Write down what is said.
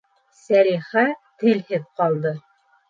Сәлихә телһеҙ ҡалды.